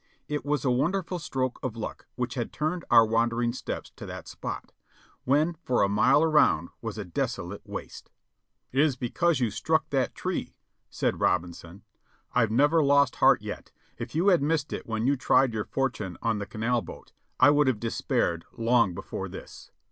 It was a wonderful stroke of luck which had turned our wandering steps to that spot, when for a mile around was a desolate waste. ''It is because you struck that tree," said Robinson, "I've never lost heart yet ; if you had missed it when you tried your fortune on the canal boat, I would have despaired long before this."